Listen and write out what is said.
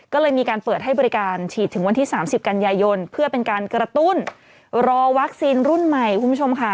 ก็เลยมีการเปิดให้บริการฉีดถึงวันที่๓๐กันยายนเพื่อเป็นการกระตุ้นรอวัคซีนรุ่นใหม่คุณผู้ชมค่ะ